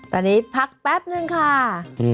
ตอนนี้พักแป๊บนึงค่ะ